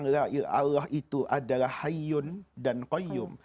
ketika kita bilang allah itu adalah hayyun dan quyyum